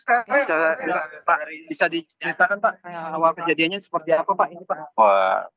awal kejadiannya seperti apa pak